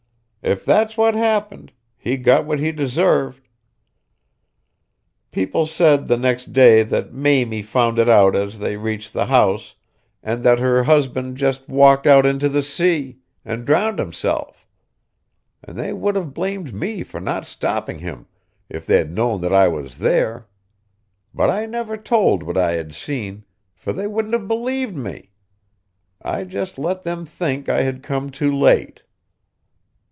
If that's what happened, he got what he deserved. People said the next day that Mamie found it out as they reached the house, and that her husband just walked out into the sea, and drowned himself; and they would have blamed me for not stopping him if they'd known that I was there. But I never told what I had seen, for they wouldn't have believed me. I just let them think I had come too late.